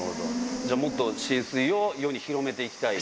じゃあもっと新水を世に広めていきたいと？